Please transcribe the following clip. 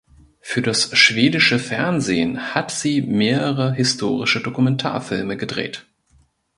Für das schwedische Fernsehen hat sie mehrere historische Dokumentarfilme gedreht.